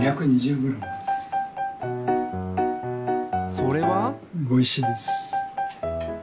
それは？ごいしです。